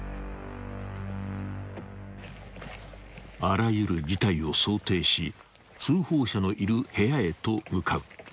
［あらゆる事態を想定し通報者のいる部屋へと向かう］